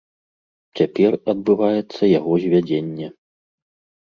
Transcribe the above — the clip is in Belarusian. Цяпер адбываецца яго звядзенне.